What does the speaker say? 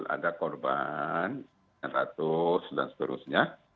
ada korban yang ratus dan seterusnya